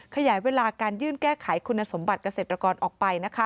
ขยายเวลาการยื่นแก้ไขคุณสมบัติเกษตรกรออกไป